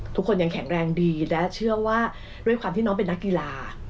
ทุกคนยังแข็งแรงดีและเชื่อว่าด้วยความที่น้องเป็นนักกีฬา